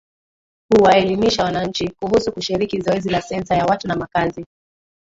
Kuwaelimisha wananchi kuhusu kushiriki zoezi la Sensa ya Watu na Makazi